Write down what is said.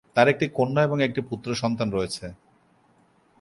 তার একটি কন্যা এবং একটি পুত্র সন্তান রয়েছে।